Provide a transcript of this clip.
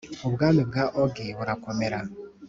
ubwami bwa Ogi burakomera